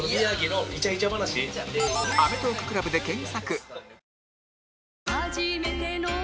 「アメトーーク ＣＬＵＢ」で検索